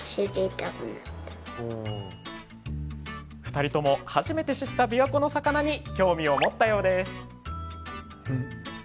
２人とも初めて知った琵琶湖の魚に興味を持ったようです。